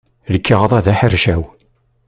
Lkaɣeḍ-a d aḥercaw.